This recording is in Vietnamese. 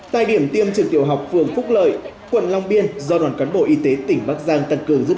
tại điểm tiêm chủng tiểu học phường phúc lời bộ trưởng bộ y tế lưu ý